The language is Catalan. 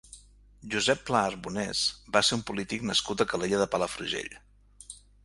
Josep Pla Arbonès va ser un polític nascut a Calella de Palafrugell.